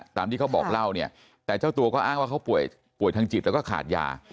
ตามที่เขาบอกเล่าเนี่ยแต่เจ้าตัวก็อ้างว่าเขาป่วยป่วยทางจิตแล้วก็ขาดยา